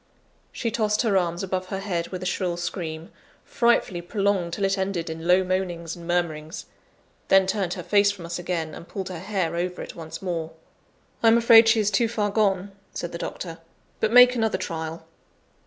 She tossed her arms above her head with a shrill scream, frightfully prolonged till it ended in low moanings and murmurings; then turned her face from us again, and pulled her hair over it once more. "I am afraid she is too far gone," said the doctor; "but make another trial."